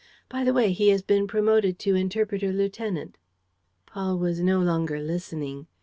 By the way, he has been promoted to interpreter lieutenant. ..." Paul was no longer listening.